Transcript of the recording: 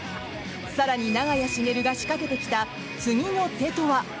更に、長屋茂が仕掛けてきた次の手とは。